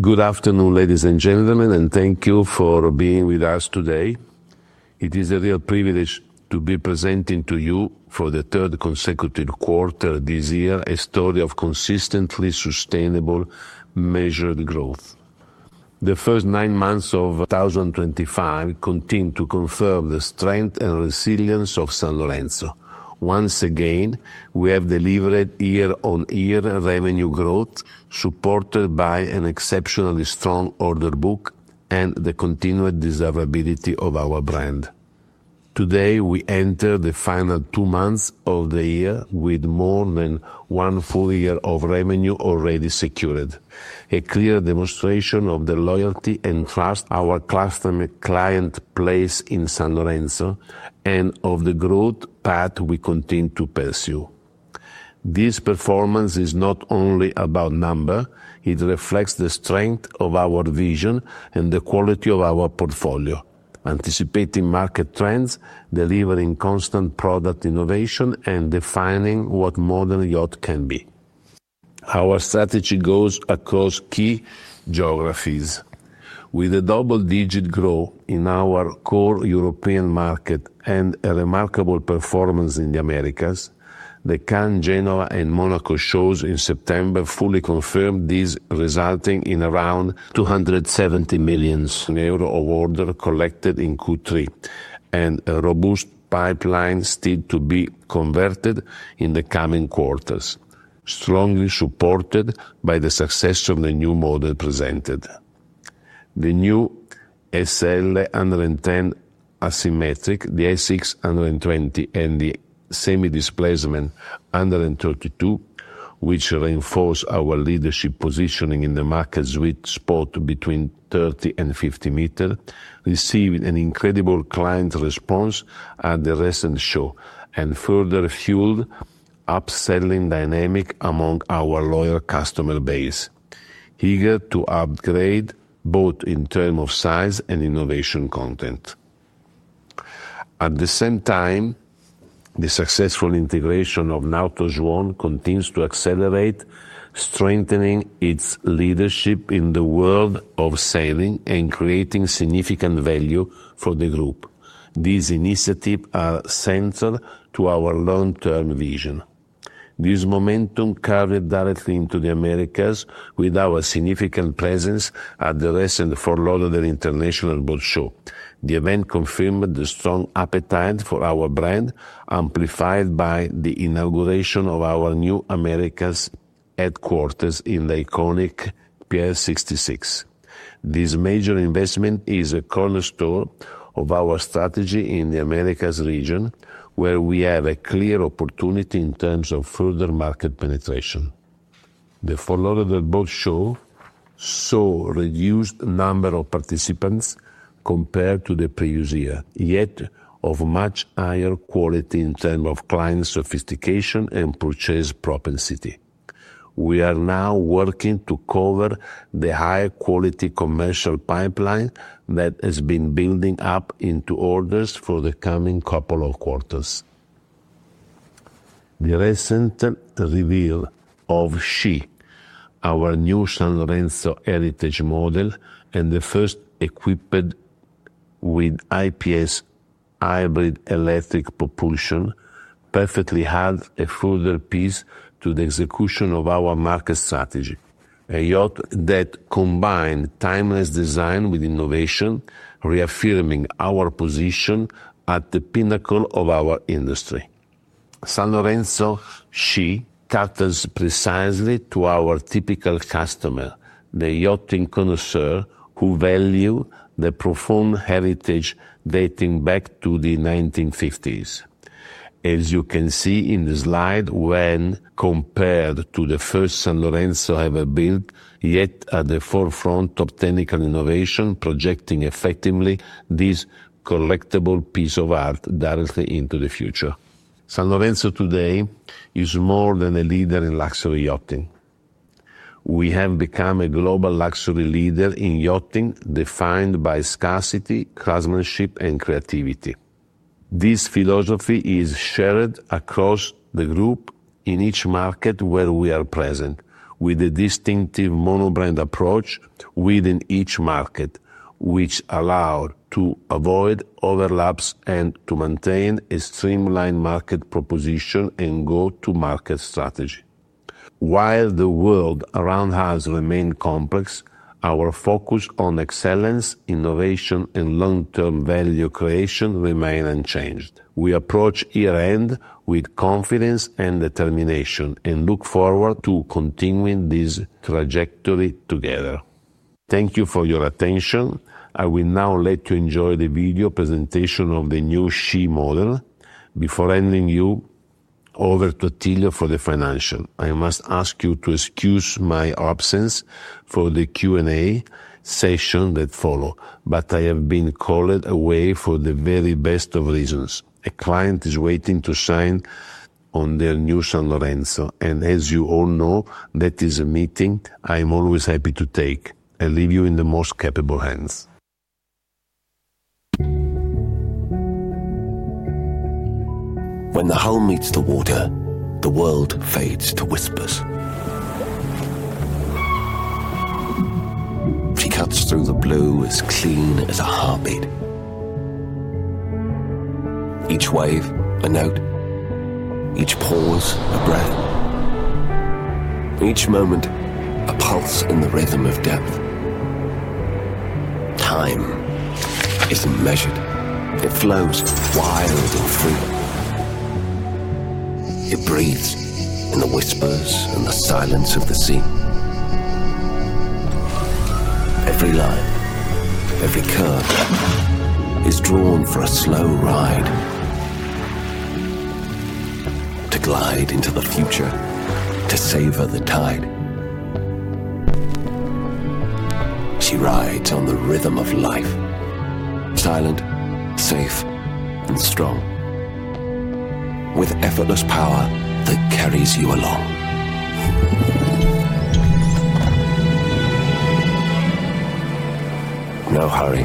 Good afternoon, ladies and gentlemen, and thank you for being with us today. It is a real privilege to be presenting to you, for the third consecutive quarter this year, a story of consistently sustainable measured growth. The first nine months of 2025 continue to confirm the strength and resilience of Sanlorenzo. Once again, we have delivered year-on-year revenue growth, supported by an exceptionally strong order book and the continued desirability of our brand. Today, we enter the final two months of the year with more than one full year of revenue already secured, a clear demonstration of the loyalty and trust our customer-client place in Sanlorenzo and of the growth path we continue to pursue. This performance is not only about numbers. It reflects the strength of our vision and the quality of our portfolio, anticipating market trends, delivering constant product innovation, and defining what modern yacht can be. Our strategy goes across key geographies. With a double-digit growth in our core European market and a remarkable performance in the Americas, the Cannes, Geneva, and Monaco shows in September fully confirmed this, resulting in around 270 million euro of orders collected in Q3 and a robust pipeline still to be converted in the coming quarters, strongly supported by the success of the new model presented. The new SL 110 Asymmetric, the SX 120, and the semi-displacement 132, which reinforce our leadership positioning in the markets with spots between 30 m and 50 m, received an incredible client response at the recent show and further fueled upselling dynamics among our loyal customer base, eager to upgrade both in terms of size and innovation content. At the same time, the successful integration of Nautor’s Swan continues to accelerate, strengthening its leadership in the world of sailing and creating significant value for the group. These initiatives are central to our long-term vision. This momentum carried directly into the Americas with our significant presence at the recent Fort Lauderdale International Boat Show. The event confirmed the strong appetite for our brand, amplified by the inauguration of our new Americas headquarters in the iconic Pier 66. This major investment is a cornerstone of our strategy in the Americas region, where we have a clear opportunity in terms of further market penetration. The Fort Lauderdale show saw a reduced number of participants compared to the previous year, yet of much higher quality in terms of client sophistication and purchase propensity. We are now working to cover the high-quality commercial pipeline that has been building up into orders for the coming couple of quarters. The recent reveal of SHE, our new Sanlorenzo Heritage model and the first equipped with IPS hybrid electric propulsion, perfectly adds a further piece to the execution of our market strategy: a yacht that combines timeless design with innovation, reaffirming our position at the pinnacle of our industry. Sanlorenzo SHE caters precisely to our typical customer, the yachting connoisseur who values the profound heritage dating back to the 1950s. As you can see in the slide, when compared to the first Sanlorenzo ever built, yet at the forefront of technical innovation, projecting effectively this collectible piece of art directly into the future. Sanlorenzo today is more When the hull meets the water, the world fades to whispers. She cuts through the blue as clean as a heartbeat. Each wave, a note. Each pause, a breath. Each moment, a pulse in the rhythm of depth. Time isn't measured. It flows wild and free. It breathes in the whispers and the silence of the sea. Every line, every curve is drawn for a slow ride. To glide into the future, to savor the tide. She rides on the rhythm of life, silent, safe, and strong, with effortless power that carries you along. No hurry.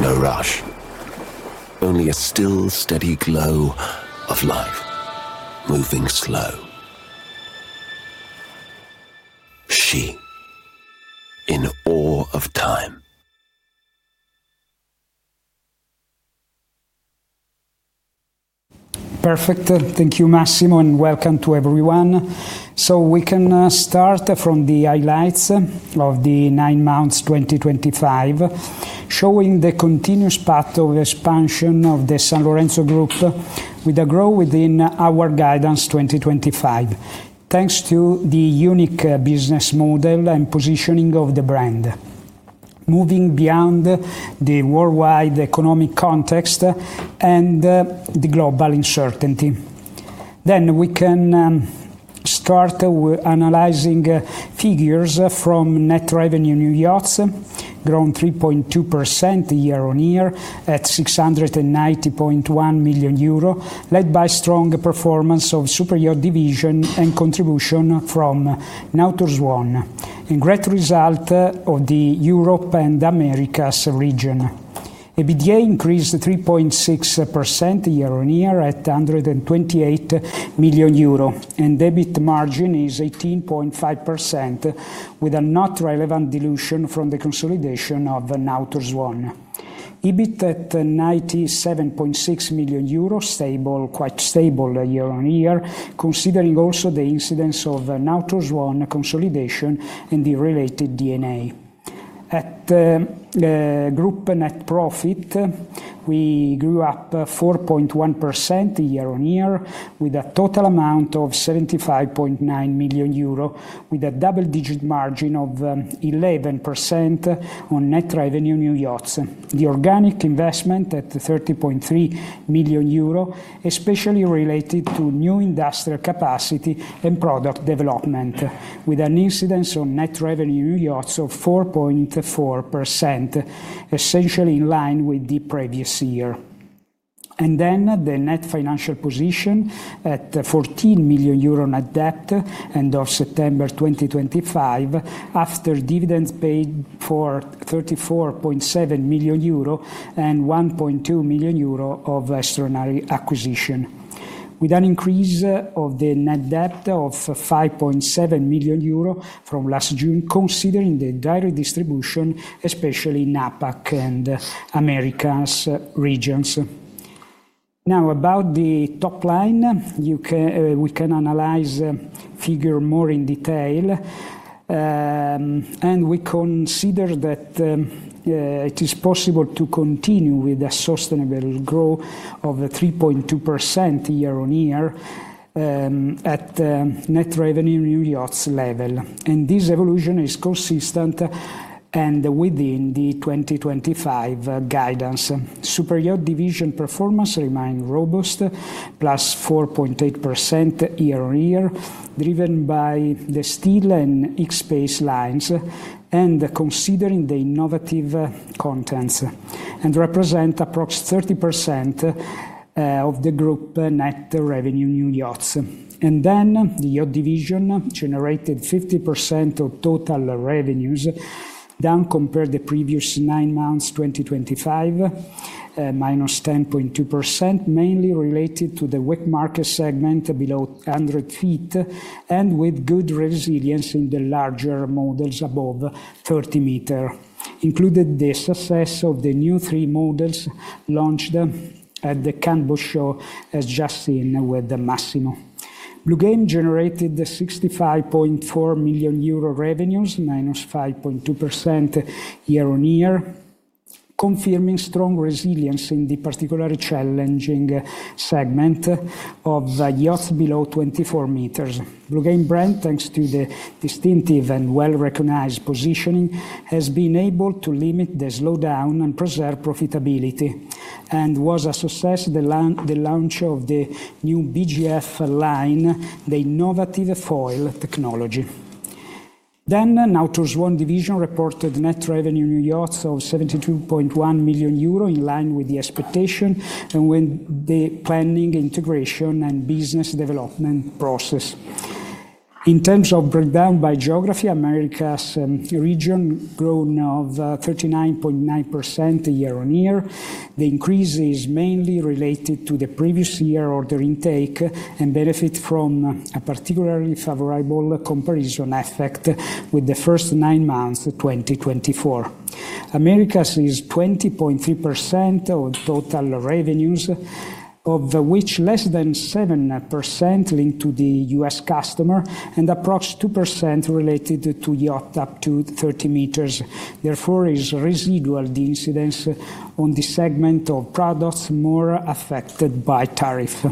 No rush. Only a still, steady glow of life, moving slow. She, in awe of time. Perfect. Thank you, Massimo, and welcome to everyone. We can start from the highlights of the nine months 2025, showing the continuous path of expansion of the Sanlorenzo Group with a growth within our guidance 2025, thanks to the unique business model and positioning of the brand, moving beyond the worldwide economic context and the global uncertainty. We can start with analyzing figures from net revenue new yachts, grown 3.2% year-on-year at 690.1 million euro, led by strong performance of Superyacht Division and contribution from Nautor’s Swan, a great result of the Europe and Americas region. EBITDA increased 3.6% year-on-year at EUR 128 million, and EBITDA margin is 18.5%, with a not relevant dilution from the consolidation of Nautor’s Swan. EBIT at 97.6 million euros, quite stable year-on-year, considering also the incidence of Nautor’s Swan consolidation and the related DNA. At group net profit, we grew up 4.1% year-on-year, with a total amount of 75.9 million euro, with a double-digit margin of 11% on net revenue new yachts. The organic investment at 30.3 million euro, especially related to new industrial capacity and product development, with an incidence on net revenue new yachts of 4.4%, essentially in line with the previous year. The net financial position at 14 million euro net debt end of September 2025, after dividends paid for 34.7 million euro and 1.2 million euro of extraordinary acquisition, with an increase of the net debt of 5.7 million euro from last June, considering the direct distribution, especially in APAC and Americas regions. Now, about the top line, we can analyze figures more in detail, and we consider that it is possible to continue with a sustainable growth of 3.2% year-on-year at net revenue new yachts level. This evolution is consistent and within the 2025 guidance. Superyacht Division performance remains robust, plus 4.8% year-on-year, driven by the Steel and X-Space lines, and considering the innovative contents, and represents approximately 30% of the group net revenue new yachts. The Yacht Division generated 50% of total revenues, down compared to the previous nine months 2025, minus 10.2%, mainly related to the wet market segment below 100 ft and with good resilience in the larger models above 30 m. Included is this assessment of the new three models launched at the Cannes Boat Show, as just seen with Massimo. Bluegame generated 65.4 million euro revenues, minus 5.2% year-on-year, confirming strong resilience in the particularly challenging segment of yachts below 24 m. Bluegame brand, thanks to the distinctive and well-recognized positioning, has been able to limit the slowdown and preserve profitability and was a success at the launch of the new BGF line, the innovative foil technology. Nautor’s Swan division reported net revenue new yachts of 72.1 million euro in line with the expectation and with the planning, integration, and business development process. In terms of breakdown by geography, Americas region grew 39.9% year-on-year. The increase is mainly related to the previous year order intake and benefits from a particularly favorable comparison effect with the first nine months 2024. Americas is 20.3% of total revenues, of which less than 7% linked to the U.S. customer and approximately 2% related to yacht up to 30 m. Therefore, it is residual the incidence on the segment of products more affected by tariff.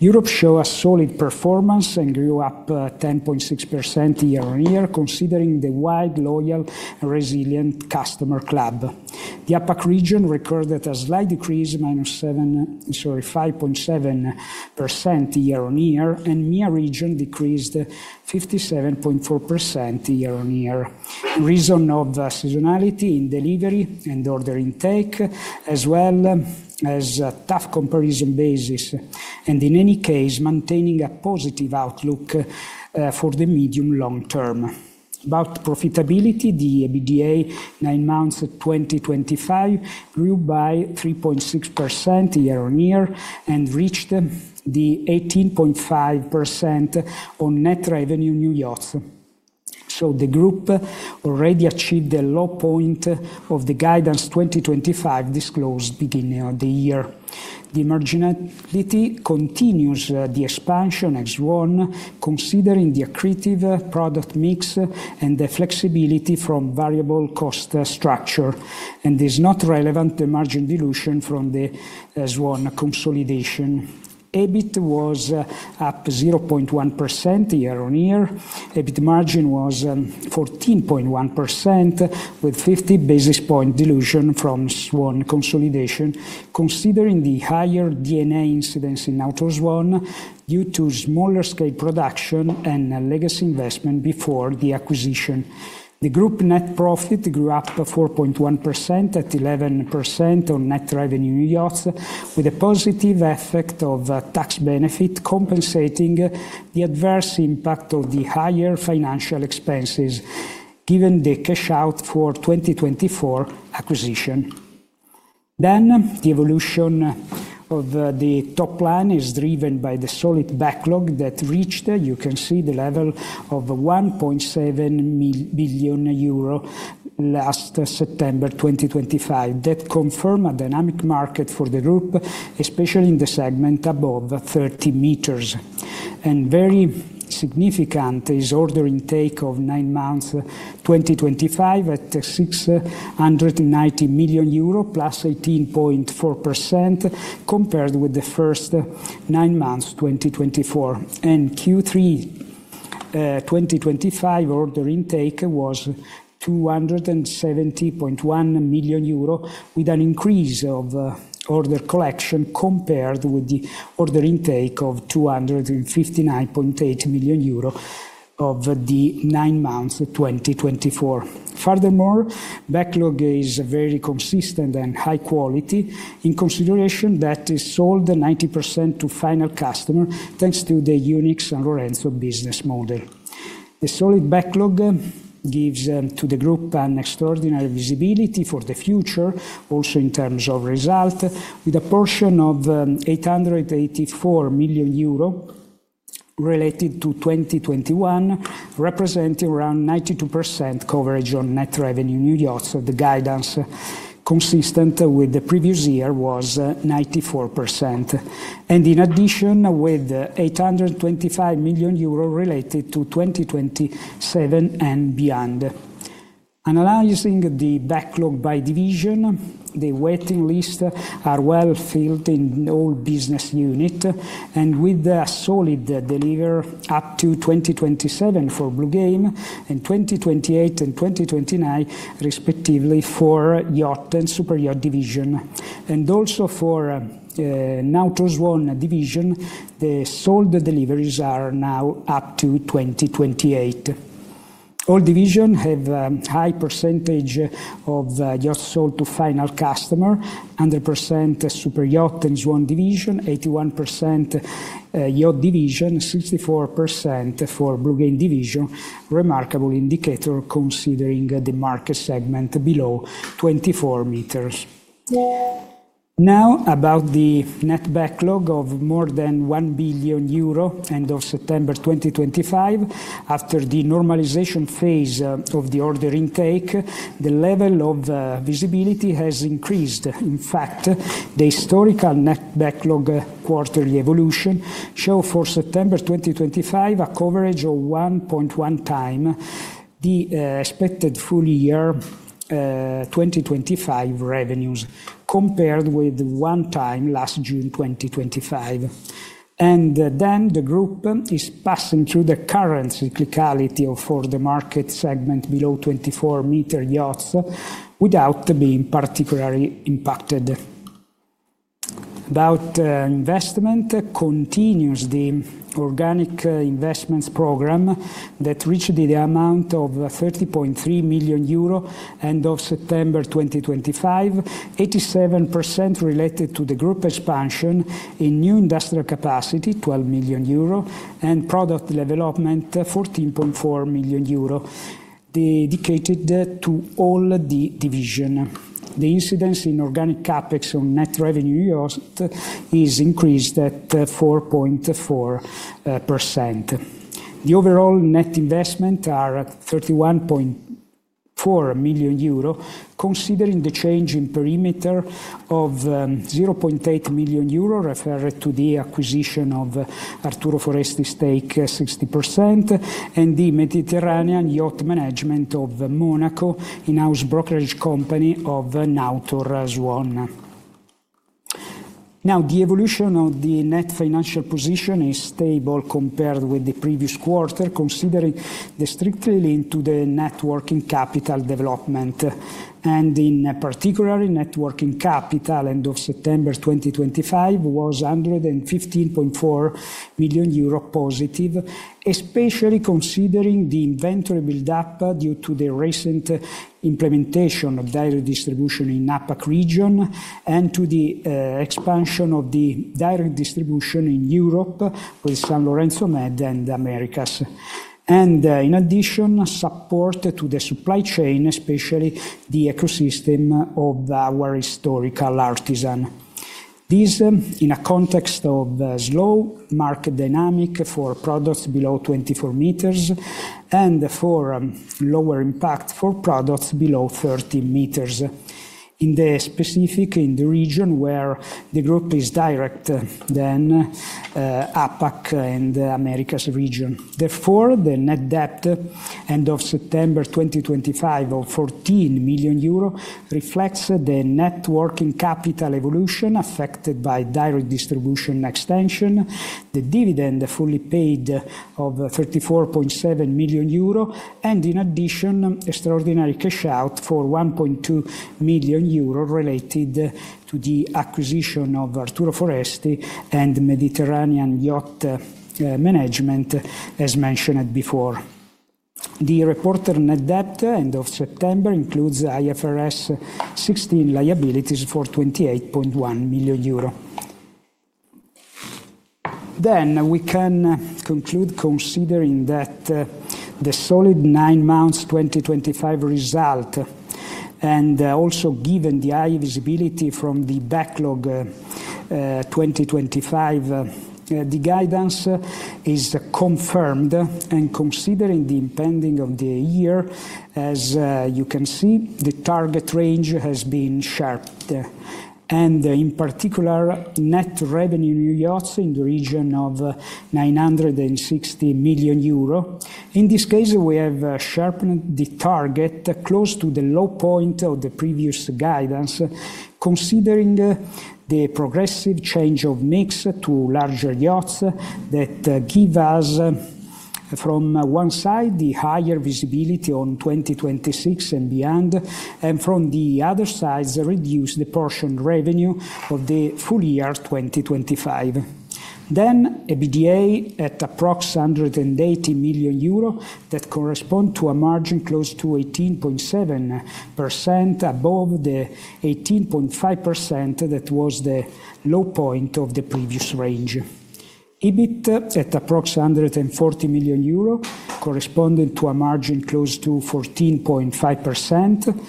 Europe showed a solid performance and grew up 10.6% year-on-year, considering the wide, loyal, and resilient customer club. The APAC region recorded a slight decrease, -7%?, sorry, 5.7% year-on-year, and MEA region decreased 57.4% year-on-year. Reason of seasonality in delivery and order intake, as well as a tough comparison basis, and in any case, maintaining a positive outlook for the medium-long term. About profitability, the EBITDA nine months 2025 grew by 3.6% year-on-year and reached the 18.5% on net revenue new yachts. The group already achieved the low-point of the guidance 2025 disclosed beginning of the year. The marginality continues the expansion at SWAN, considering the accretive product mix and the flexibility from variable cost structure, and is not relevant the margin dilution from the SWAN consolidation. EBIT was up 0.1% year-on-year. EBIT margin was 14.1% with 50 basis point dilution from SWAN consolidation, considering the higher DNA incidence in Nautor’s Swan due to smaller scale production and legacy investment before the acquisition. The group net profit grew up 4.1% at 11% on net revenue new yachts, with a positive effect of tax benefit compensating the adverse impact of the higher financial expenses, given the cash-out for 2024 acquisition. The evolution of the top line is driven by the solid backlog that reached, you can see, the level of 1.7 billion euro last September 2025. That confirmed a dynamic market for the group, especially in the segment above 30 m. Very significant is order intake of nine months 2025 at 690 million euro, +18.4% compared with the first nine months 2024. Q3 2025 order intake was 270.1 million euro, with an increase of order collection compared with the order intake of 259.8 million euro of the nine months 2024. Furthermore, backlog is very consistent and high quality in consideration that is sold 90% to final customer, thanks to the unique Sanlorenzo business model. The solid backlog gives to the group an extraordinary visibility for the future, also in terms of result, with a portion of 884 million euro related to 2021, representing around 92% coverage on net revenue new yachts. The guidance, consistent with the previous year, was 94%. In addition, with 825 million euro related to 2027 and beyond. Analyzing the backlog by division, the waiting lists are well filled in all business units, and with a solid delivery up to 2027 for Bluegame and 2028 and 2029, respectively, for Yacht and Superyacht Division. Also for Nautor’s Swan division, the sold deliveries are now up to 2028. All divisions have a high percentage of yachts sold to final customers, 100% for Superyacht Division and Swan division, 81% for Yacht Division, 64% for Bluegame division, a remarkable indicator considering the market segment below 24 m. Now, about the net backlog of more than 1 billion euro at the end of September 2025, after the normalization phase of the order intake, the level of visibility has increased. In fact, the historical net backlog quarterly evolution shows for September 2025 a coverage of 1.1x the expected full year 2025 revenues, compared with one time last June 2025. The group is passing through the current cyclicality for the market segment below 24 m yachts without being particularly impacted. About investment, continues the organic investments program that reached the amount of 30.3 million euro end of September 2025, 87% related to the group expansion in new industrial capacity, 12 million euro, and product development, 14.4 million euro, dedicated to all the divisions. The incidence in organic CapEx on net revenue yachts is increased at 4.4%. The overall net investments are 31.4 million euro, considering the change in perimeter of 0.8 million euro referred to the acquisition of Arturo Foresti stake, 60%, and the Mediterranean Yacht Management of Monaco in-house brokerage company of Nautor’s Swan. Now, the evolution of the net financial position is stable compared with the previous quarter, considering the strictly linked to the working capital development. Networking capital end of September 2025 was 115.4 million euro positive, especially considering the inventory build-up due to the recent implementation of direct distribution in the APAC region and to the expansion of the direct distribution in Europe with Sanlorenzo Med and Americas. In addition, support to the supply chain, especially the ecosystem of our historical artisan. These in a context of slow market dynamic for products below 24 m and for lower impact for products below 30 m, in the specific in the region where the group is direct, then APAC and Americas region. Therefore, the net-debt end of September 2025 of 14 million euro reflects the networking capital evolution affected by direct distribution extension, the dividend fully paid of 34.7 million euro, and in addition, extraordinary cash-out for 1.2 million euro related to the acquisition of Arturo Foresti and Mediterranean Yacht Management, as mentioned before. The reported net debt end of September includes IFRS 16 liabilities for 28.1 million euro. We can conclude considering that the solid nine months 2025 result, and also given the high visibility from the backlog 2025, the guidance is confirmed. Considering the impending end of the year, as you can see, the target range has been sharpened. In particular, net revenue new yachts in the region of 960 million euro. In this case, we have sharpened the target close to the low-point of the previous guidance, considering the progressive change of mix to larger yachts that give us, from one side, the higher visibility on 2026 and beyond, and from the other side, reduce the portion revenue of the full year 2025. EBITDA at approximately 180 million euro that corresponds to a margin close to 18.7% above the 18.5% that was the low-point of the previous range. EBIT at approximately 140 million euro corresponding to a margin close to 14.5%,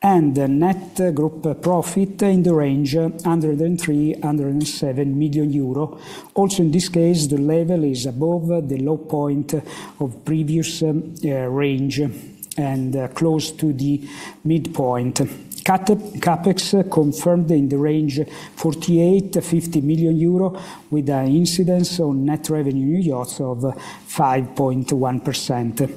and net group profit in the range 103-107 million euro. Also in this case, the level is above the low-point of previous range and close to the midpoint. CapEx confirmed in the range 48-50 million euro with an incidence on net revenue new yachts of 5.1%.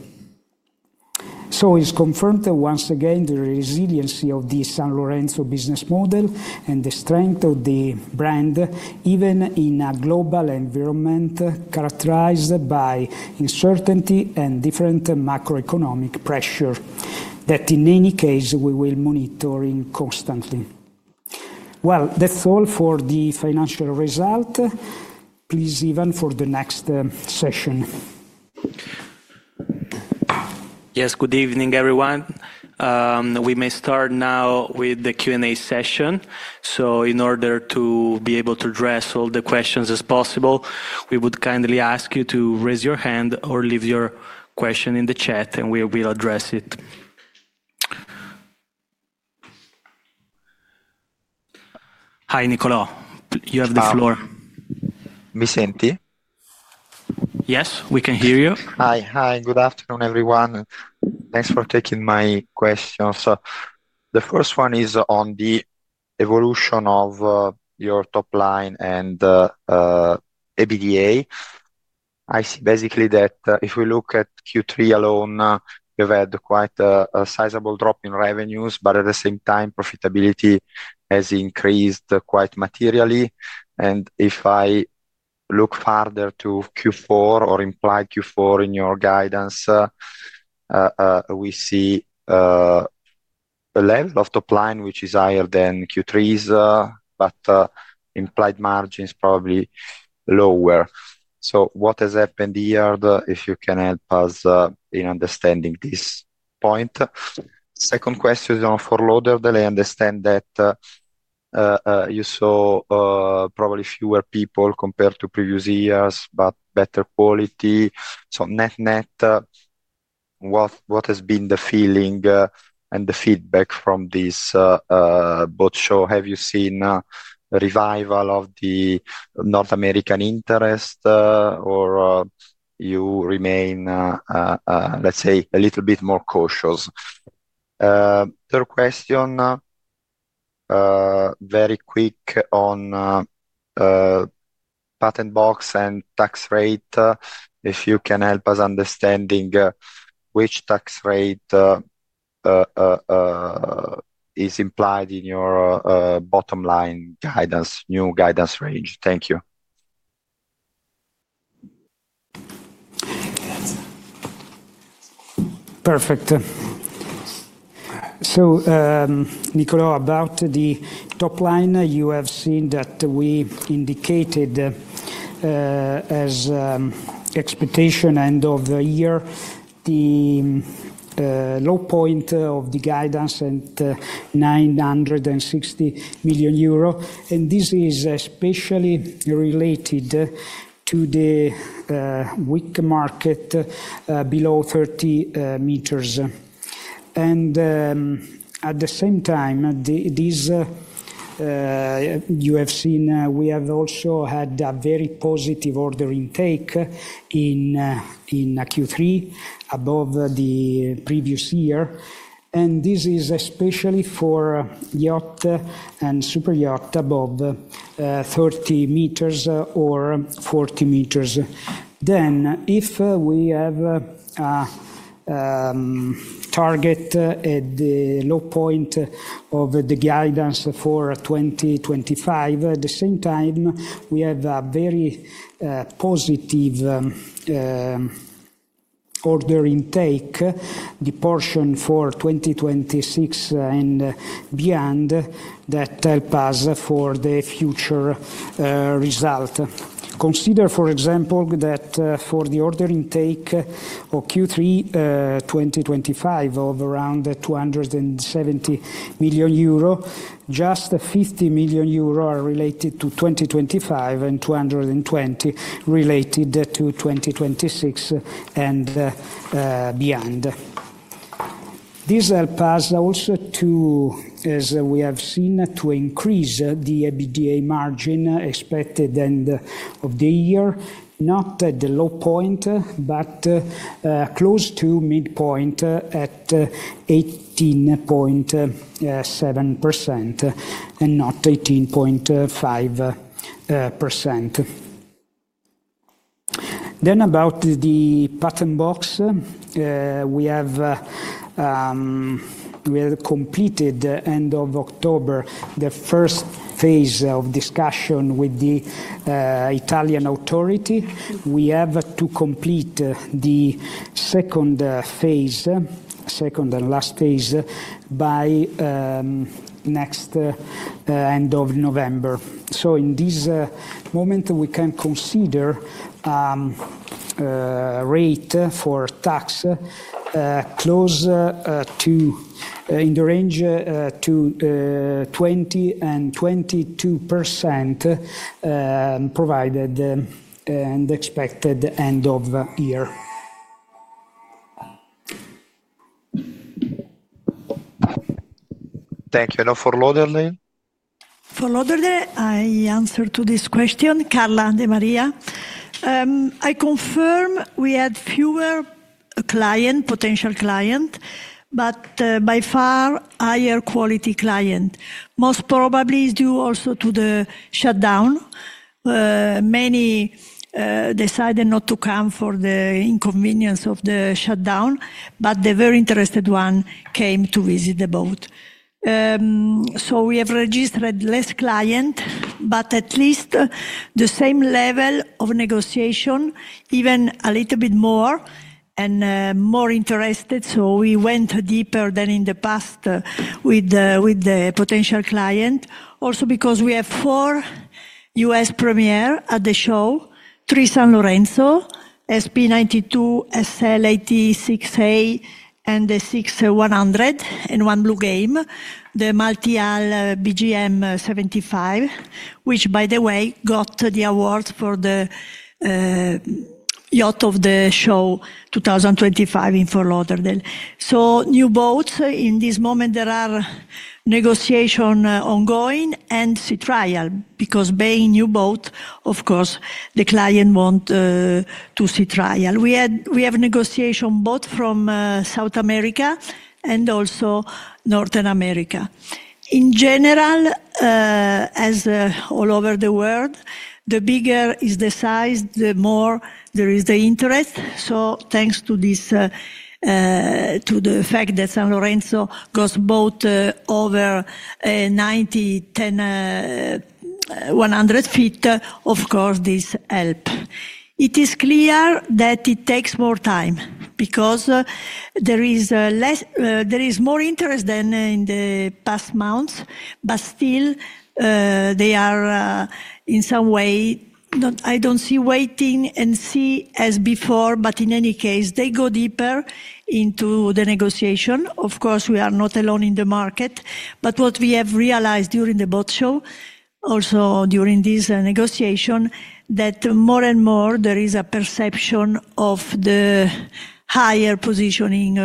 It is confirmed once again the resiliency of the Sanlorenzo business model and the strength of the brand, even in a global environment characterized by uncertainty and different macroeconomic pressure that in any case we will monitor constantly. That is all for the financial result. Please leave for the next session. Yes, good evening, everyone. We may start now with the Q&A session. In order to be able to address all the questions as possible, we would kindly ask you to raise your hand or leave your question in the chat, and we will address it. Hi, Nicolò, you have the floor. Hi. Mi senti? Yes, we can hear you. Hi, hi. Good afternoon, everyone. Thanks for taking my questions. The first one is on the evolution of your top line and EBITDA. I see basically that if we look at Q3 alone, you've had quite a sizable drop in revenues, but at the same time, profitability has increased quite materially. If I look further to Q4 or implied Q4 in your guidance, we see a level of top line which is higher than Q3's, but implied margin is probably lower. What has happened here? If you can help us in understanding this point. Second question for Lauderdale, I understand that you saw probably fewer people compared to previous years, but better quality. So net net, what has been the feeling and the feedback from this boat show? Have you seen a revival of the North American interest, or you remain, let's say, a little bit more cautious? Third question, very quick on patent box and tax rate, if you can help us understanding which tax rate is implied in your bottom line guidance, new guidance range. Thank you. Perfect. So Nicolò, about the top line, you have seen that we indicated as expectation end of the year, the low-point of the guidance at 960 million euro. And this is especially related to the weak market below 30 m. And at the same time, you have seen we have also had a very positive order intake in Q3 above the previous year. This is especially for yacht and super yacht above 30 m or 40 m. If we have a target at the low-point of the guidance for 2025, at the same time, we have a very positive order intake, the portion for 2026 and beyond that help us for the future result. Consider, for example, that for the order intake of Q3 2025 of around 270 million euro, just 50 million euro are related to 2025 and 220 million related to 2026 and beyond. This helps us also to, as we have seen, to increase the EBITDA margin expected end of the year, not at the low-point, but close to mid-point at 18.7% and not 18.5%. About the patent box, we have completed end of October the first phase of discussion with the Italian authority. We have to complete the second phase, second and last phase, by next end of November. In this moment, we can consider rate for tax close to in the range 20%-22% provided and expected end of year. Thank you. Now, Fort Lauderdale. Fort Lauderdale, I answer to this question, Carla Demaria. I confirm we had fewer client, potential client, but by far higher quality client. Most probably due also to the shutdown. Many decided not to come for the inconvenience of the shutdown, but the very interested one came to visit the boat. We have registered less client, but at least the same level of negotiation, even a little bit more and more interested. We went deeper than in the past with the potential client. Also because we have four U.S. premier at the show, three Sanlorenzo, SP92, SL86A, and the SX 100, and one Bluegame, the Multial BGM75, which, by the way, got the award for the yacht of the show 2025 in Fort Lauderdale. New boats in this moment, there are negotiations ongoing and sea trial because by new boat, of course, the client wants to sea trial. We have negotiation both from South America and also North America. In general, as all over the world, the bigger is the size, the more there is the interest. Thanks to the fact that Sanlorenzo goes both over 90 ft, 100 ft, of course, this helps. It is clear that it takes more time because there is more interest than in the past months, but still they are in some way, I do not see waiting and see as before, but in any case, they go deeper into the negotiation. Of course, we are not alone in the market, but what we have realized during the boat show, also during this negotiation, is that more and more there is a perception of the higher positioning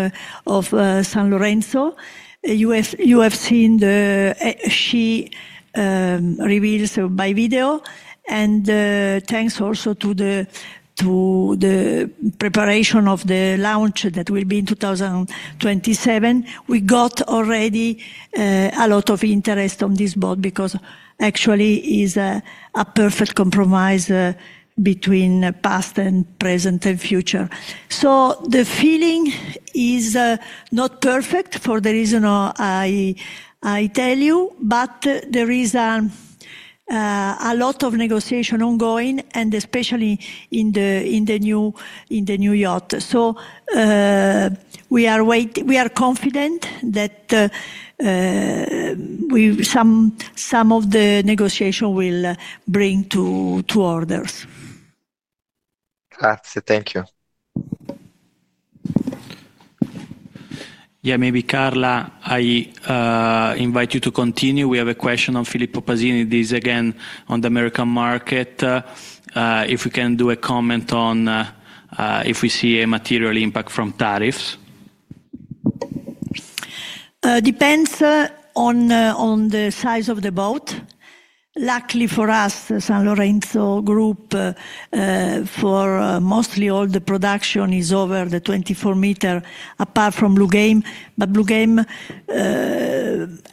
of Sanlorenzo. You have seen the SHE reveals by video, and thanks also to the preparation of the launch that will be in 2027, we got already a lot of interest on this boat because actually it is a perfect compromise between past and present and future. The feeling is not perfect for the reason I tell you, but there is a lot of negotiation ongoing, and especially in the new yacht. We are confident that some of the negotiation will bring to orders. Thank you. Yeah, maybe Carla, I invite you to continue. We have a question on Filippo Pasini. This is again on the American market. If we can do a comment on if we see a material impact from tariffs. Depends on the size of the boat. Luckily for us, Sanlorenzo Group, for mostly all the production is over the 24 m apart from Bluegame, but Bluegame,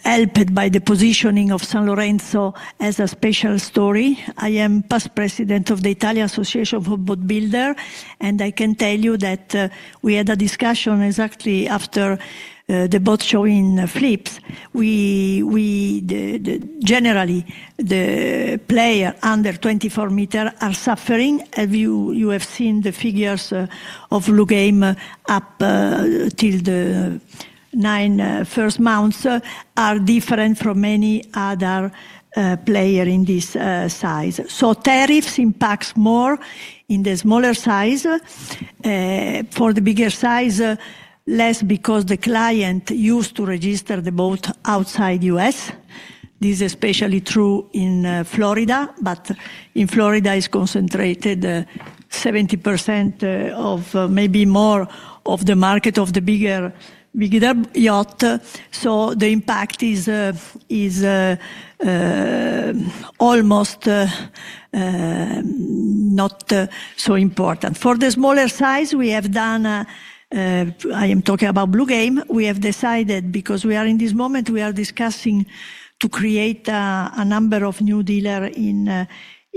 helped by the positioning of Sanlorenzo as a special story. I am past president of the Italian Association for Boatbuilders, and I can tell you that we had a discussion exactly after the boat show in Flipps. Generally, the players under 24 m are suffering, as you have seen the figures of Bluegame up till the nine first months are different from many other players in this size. Tariffs impact more in the smaller size. For the bigger size, less because the client used to register the boat outside the U.S. This is especially true in Florida, but in Florida, it's concentrated 70% or maybe more of the market of the bigger yacht. The impact is almost not so important. For the smaller size, we have done, I am talking about Bluegame, we have decided because we are in this moment, we are discussing to create a number of new dealers in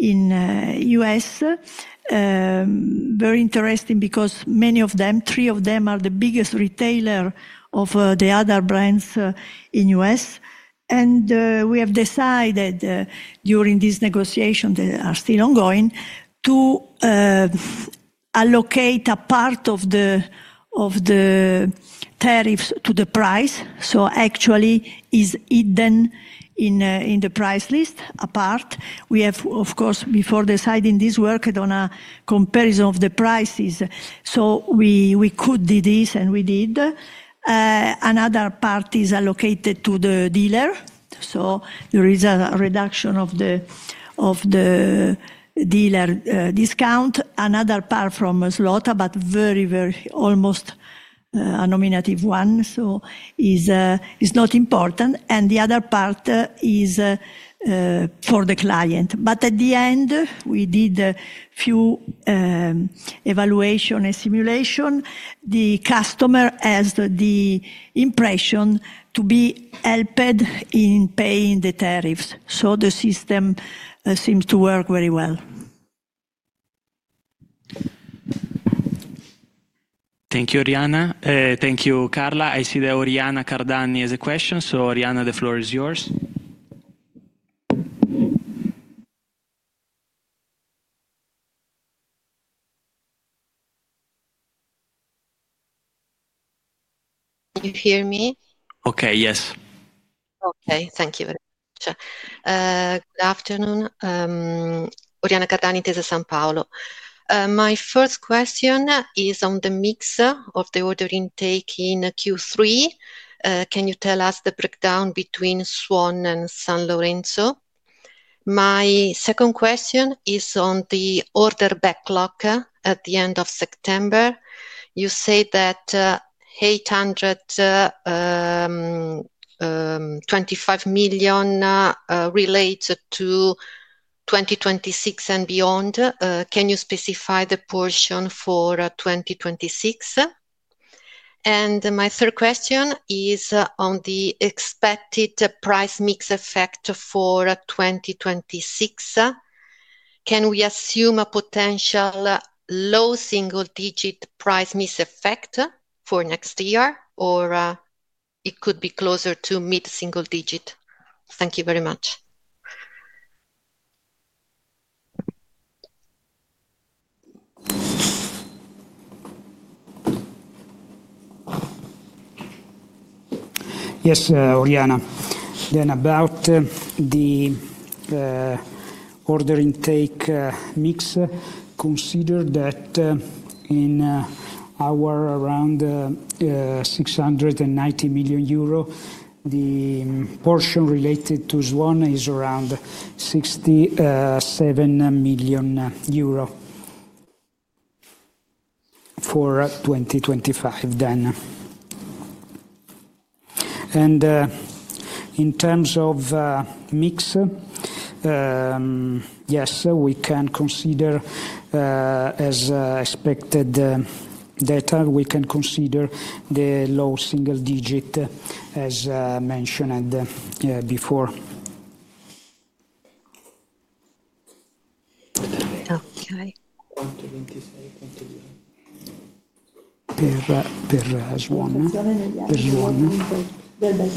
the U.S. Very interesting because many of them, three of them, are the biggest retailers of the other brands in the U.S. We have decided during this negotiation that is still ongoing to allocate a part of the tariffs to the price. Actually, it is hidden in the price list apart. We have, of course, before deciding this work, done a comparison of the prices. So we could do this, and we did. Another part is allocated to the dealer. There is a reduction of the dealer discount. Another part from Zloty, but very, very almost a nominative one. It is not important. The other part is for the client. At the end, we did a few evaluations and simulations. The customer has the impression to be helped in paying the tariffs. The system seems to work very well. Thank you, Oriana. Thank you, Carla. I see that Oriana Cardani has a question. Oriana, the floor is yours. Can you hear me? Okay, yes. Okay, thank you very much. Good afternoon. Oriana Cardani Intesa Sapaolo. My first question is on the mix of the order intake in Q3. Can you tell us the breakdown between Swan and Sanlorenzo? My second question is on the order backlog at the end of September. You say that EUR 825 million relates to 2026 and beyond. Can you specify the portion for 2026? My third question is on the expected price mix effect for 2026. Can we assume a potential low-single-digit price mix effect for next year, or it could be closer to mid-single digit? Thank you very much. Yes, Oriana. About the order intake mix, consider that in our around 690 million euro, the portion related to Swan is around 67 million euro for 2025 then. In terms of mix, yes, we can consider as expected data, we can consider the low-single-digit as mentioned before. Okay. Per Swan.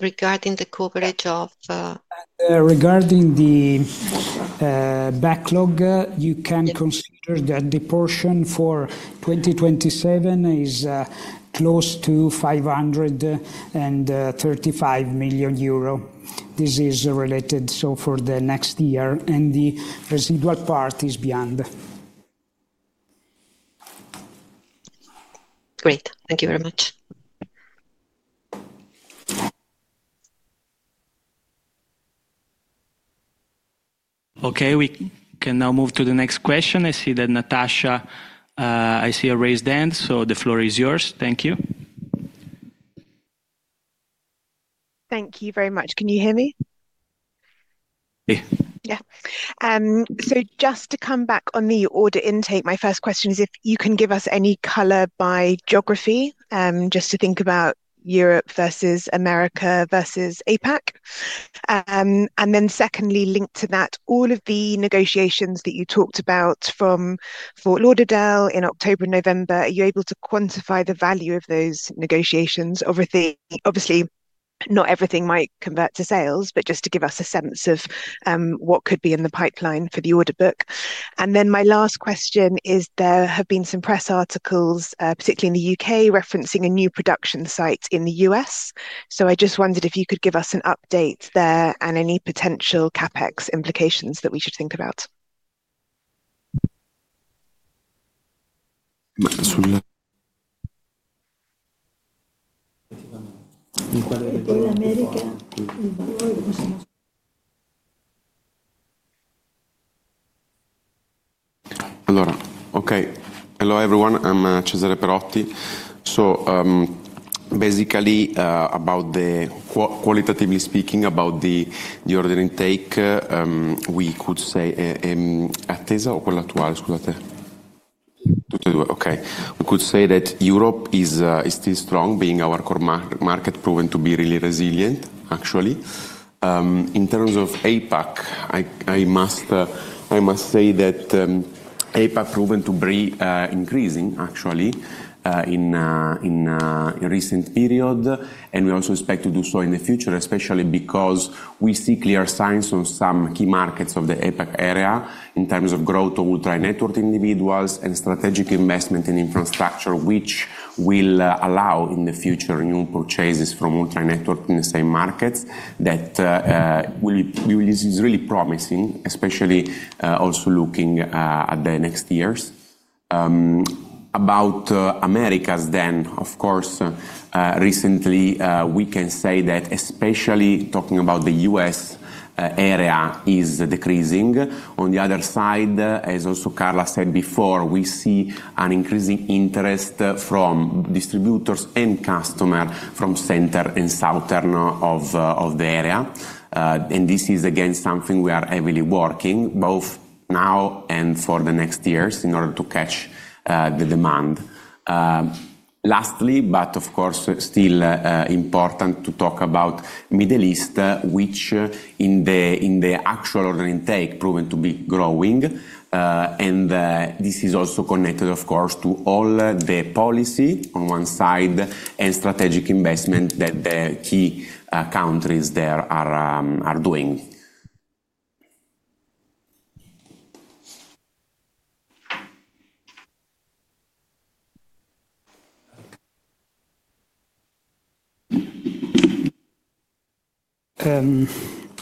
Regarding the coverage of. Regarding the backlog, you can consider that the portion for 2027 is close to 535 million euro. This is related, so for the next year, and the residual part is beyond. Great. Thank you very much. Okay, we can now move to the next question. I see that Natasha, I see a raised hand, so the floor is yours. Thank you. Thank you very much. Can you hear me? Yeah. Just to come back on the order intake, my first question is if you can give us any color by geography, just to think about Europe versus Americas versus APAC. Secondly, linked to that, all of the negotiations that you talked about from Fort Lauderdale in October and November, are you able to quantify the value of those negotiations? Obviously, not everything might convert to sales, but just to give us a sense of what could be in the pipeline for the order book. My last question is there have been some press articles, particularly in the U.K., referencing a new production site in the U.S. I just wondered if you could give us an update there and any potential CapEx implications that we should think about. Allora, okay. Hello everyone, I'm Cesare Perotti. Basically, qualitatively speaking, about the order intake, we could say, attesa or quella attuale, scusate. Okay. We could say that Europe is still strong, being our market, proven to be really resilient, actually. In terms of APAC, I must say that APAC proven to be increasing, actually, in a recent period, and we also expect to do so in the future, especially because we see clear signs on some key markets of the APAC area in terms of growth of ultra-network individuals and strategic investment in infrastructure, which will allow in the future new purchases from ultra-network in the same markets that will be really promising, especially also looking at the next years. About Americas then, of course, recently we can say that especially talking about the U.S. area is decreasing. On the other side, as also Carla said before, we see an increasing interest from distributors and customers from center and southern of the area. This is again something we are heavily working, both now and for the next years in order to catch the demand. Lastly, but of course, still important to talk about Middle East, which in the actual order intake proven to be growing. This is also connected, of course, to all the policy on one side and strategic investment that the key countries there are doing.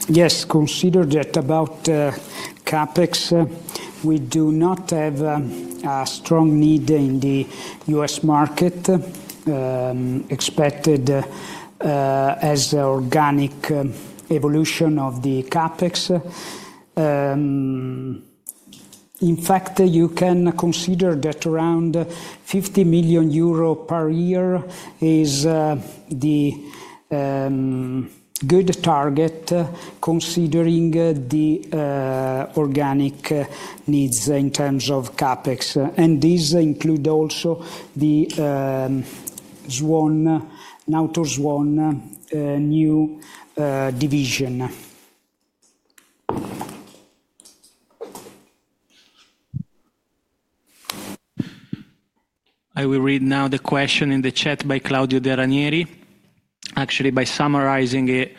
Yes, consider that about CapEx, we do not have a strong need in the U.S. market expected as an organic evolution of the CapEx. In fact, you can consider that around 50 million euro per year is the good target considering the organic needs in terms of CapEx. These include also the Nautor’s Swan new division. I will read now the question in the chat by Claudio Deranieri. Actually, by summarizing it,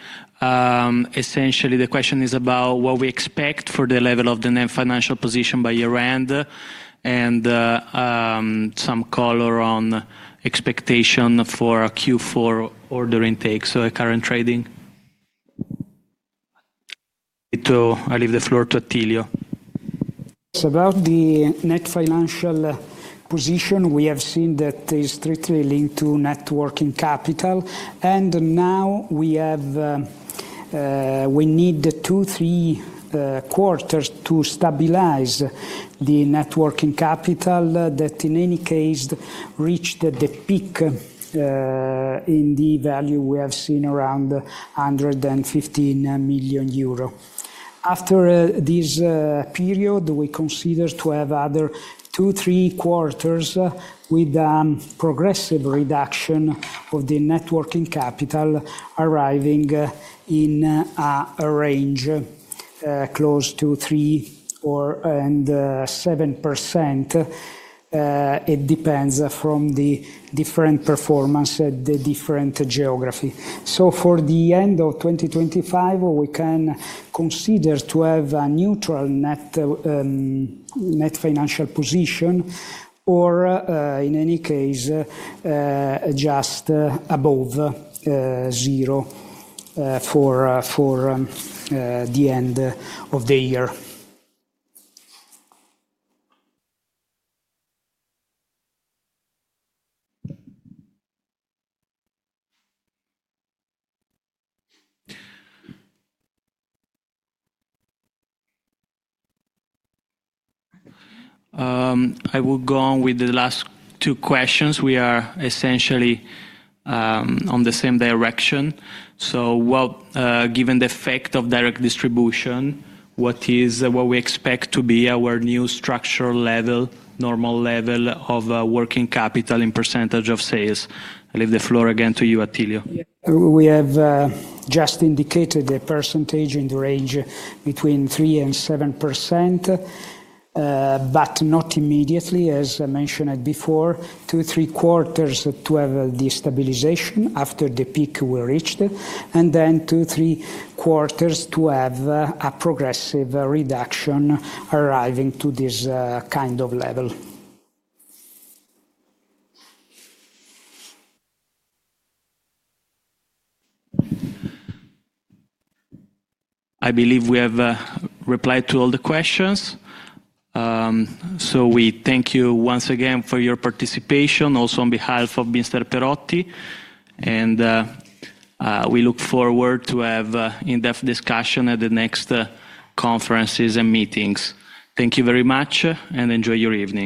essentially the question is about what we expect for the level of the net financial position by year-end and some color on expectation for Q4 order intake. Current trading. I leave the floor to Attilio. About the net financial position, we have seen that it is strictly linked to working capital. Now we need two or three quarters to stabilize the working capital that in any case reached the peak in the value we have seen around 115 million euro. After this period, we consider to have another two or three quarters with a progressive reduction of the working capital arriving in a range close to 3%-7%. It depends on the different performance at the different geography. For the end of 2025, we can consider to have a neutral net financial position or in any case just above zero for the end of the year. I will go on with the last two questions. We are essentially on the same direction. Given the effect of direct distribution, what we expect to be our new structural level, normal level of working capital in percentage of sales. I leave the floor again to you, Attilio. We have just indicated a percentage in the range between 3%-7%, but not immediately, as I mentioned before, two, three quarters to have the stabilization after the peak we reached, and then two, three quarters to have a progressive reduction arriving to this kind of level. I believe we have replied to all the questions. We thank you once again for your participation, also on behalf of Mr. Perotti. We look forward to have in-depth discussion at the next conferences and meetings. Thank you very much and enjoy your evening.